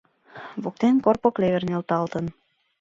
Воктен корпо клевер нӧлталтын.